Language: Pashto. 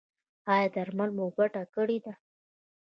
ایا درمل مو ګټه کړې ده؟